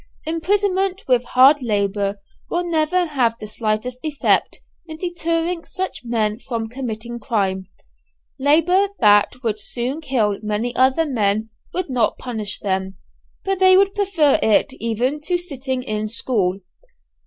Imprisonment with hard labour will never have the slightest effect in deterring such men from committing crime. Labour that would soon kill many other men would not punish them, but they would prefer it even to sitting in school.